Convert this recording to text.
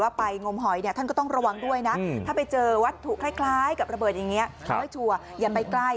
ขนาดว่าเก่ายังระเบิดตูบให้เราได้เห็นแบบนี้